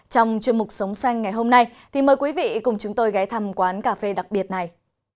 trong chuyên mục sống xanh ngày hôm nay thì mời quý vị cùng chúng tôi ghé thăm quán cà phê đặc biệt này